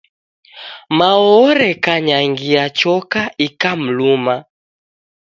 Mao orekanyangia choka ikamluma.